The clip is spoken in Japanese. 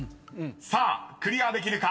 ［さあクリアできるか。